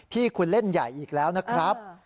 ที่คุณเล่นใหญ่อีกแล้วนะครับ